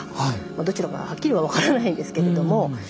どちらかははっきりは分からないんですけれども。